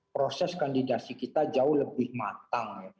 proses kandidasi kita jauh lebih matang